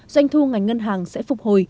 doanh thu ngành ngân hàng sẽ phục hồi